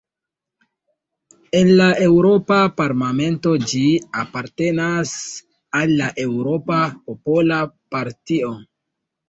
En la Eŭropa parlamento ĝi apartenas al la Eŭropa Popola Partio.